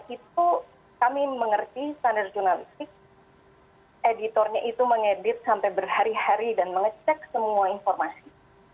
itu kami mengerti standar jurnalistik editornya itu mengedit sampai berhari hari dan mengecek semua informasi